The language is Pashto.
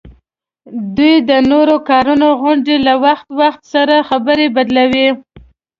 دوی د نورو کارونو غوندي له وخت وخت سره خبره بدلوي